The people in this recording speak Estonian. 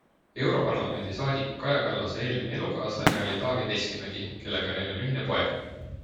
Europarlamendi saadiku Kaja Kallase eelmine elukaaslane oli Taavi Veskimägi, kellega neil on ühine poeg.